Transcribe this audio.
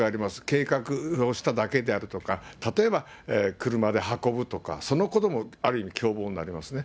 計画をしただけであるとか、例えば、車で運ぶとか、そのこともある意味、共謀になりますね。